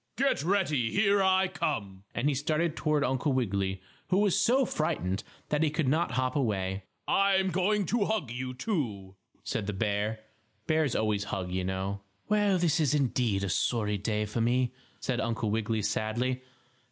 "Get ready. Here I come!" and he started toward Uncle Wiggily, who was so frightened that he could not hop away. "I'm going to hug you, too," said the bear. Bears always hug, you know. "Well, this is, indeed, a sorry day for me," said Uncle Wiggily, sadly.